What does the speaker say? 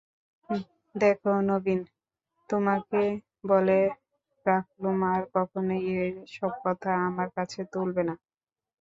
দেখো নবীন, তোমাকে বলে রাখলুম আর কখনোই এ-সব কথা আমার কাছে তুলবে না।